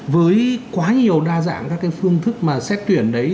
với quá nhiều đa dạng các cái phương thức mà xét tuyển đấy